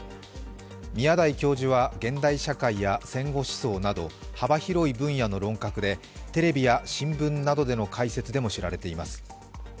宮台教授は現代社会や戦後思想など幅広い分野の論客でテレビや新聞などでの解説でも知られています。